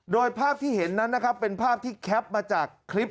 โดยภาพที่เห็นนั้นนะครับเป็นภาพที่แคปมาจากคลิป